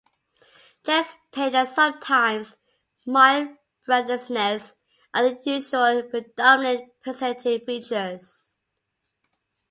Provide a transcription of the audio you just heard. Chest pain and sometimes mild breathlessness are the usual predominant presenting features.